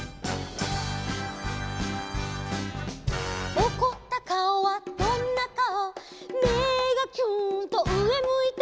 「おこったかおはどんなかお」「目がキューンと上向いて」